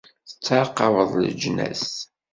Tettɛaqabeḍ leǧnas.